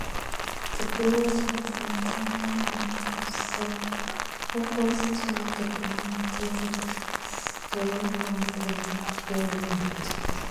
The village was initially not opposed to the plan until the scale was revealed.